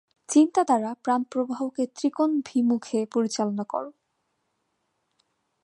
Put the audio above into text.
চিন্তা দ্বারা প্রাণপ্রবাহকে ত্রিকোণাভিমুখে পরিচালনা কর।